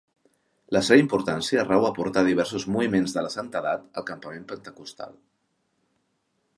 La seva importància rau a portar diversos Moviments de la Santedat al campament pentecostal.